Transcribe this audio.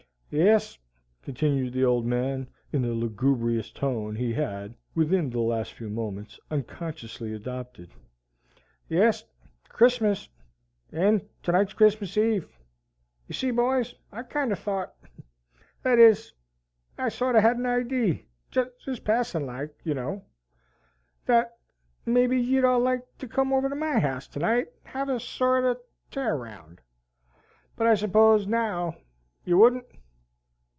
"Yes," continued the Old Man in the lugubrious tone he had, within the last few moments, unconsciously adopted, "yes, Christmas, and to night's Christmas eve. Ye see, boys, I kinder thought that is, I sorter had an idee, jest passin' like, you know that may be ye'd all like to come over to my house to night and have a sort of tear round. But I suppose, now, you wouldn't?